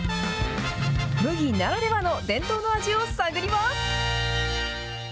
牟岐ならではの伝統の味を探ります。